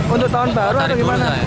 untuk tahun baru atau gimana